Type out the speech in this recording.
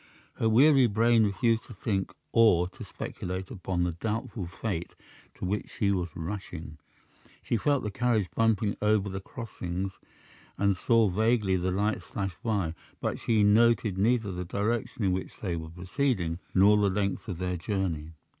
Her weary brain refused to think or to speculate upon the doubtful fate to which she was rushing. She felt the carriage bumping over the crossings and saw vaguely the lights flash by; but she noted neither the direction in which they were proceeding nor the length of their journey.